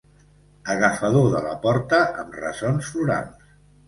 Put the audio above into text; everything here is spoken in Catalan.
Agafador de la porta amb ressons florals.